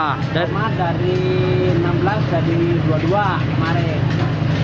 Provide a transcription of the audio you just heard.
tomat dari rp enam belas jadi rp dua puluh dua kemarin